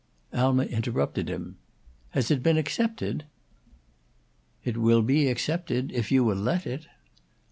Alma interrupted him. "Has it been accepted?" "It will be accepted, if you will let it."